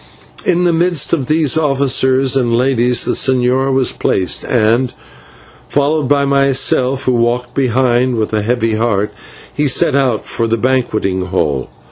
In the midst of these officers and ladies the señor was placed, and, followed by myself, who walked behind with a heavy heart, he set out for the banqueting hall.